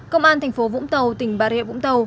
công an thành phố vũng tàu tỉnh bà rịa vũng tàu